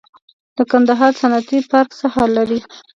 د کندهار صنعتي پارک څه حال لري؟